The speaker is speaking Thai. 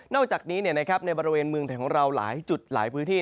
อกจากนี้ในบริเวณเมืองไทยของเราหลายจุดหลายพื้นที่